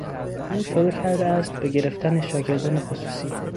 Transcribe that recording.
او شروع کرده است به گرفتن شاگردان خصوصی.